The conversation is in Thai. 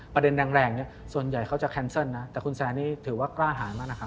แรงเนี่ยส่วนใหญ่เขาจะแคนเซิลนะแต่คุณแซนนี่ถือว่ากล้าหามากนะครับ